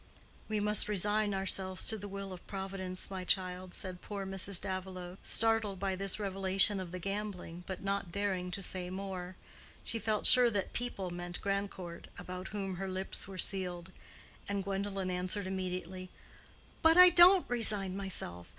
"We must resign ourselves to the will of Providence, my child," said poor Mrs. Davilow, startled by this revelation of the gambling, but not daring to say more. She felt sure that "people" meant Grandcourt, about whom her lips were sealed. And Gwendolen answered immediately, "But I don't resign myself.